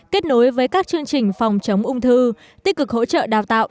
kết nối với các chương trình phòng chống ung thư tích cực hỗ trợ đào tạo